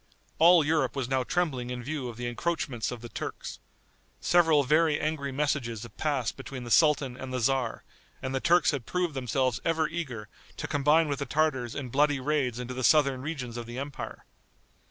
All Europe was now trembling in view of the encroachments of the Turks. Several very angry messages had passed between the sultan and the tzar, and the Turks had proved themselves ever eager to combine with the Tartars in bloody raids into the southern regions of the empire.